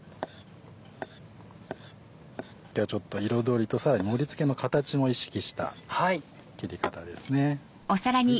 ちょっと彩りとさらに盛り付けの形も意識した切り方ですね。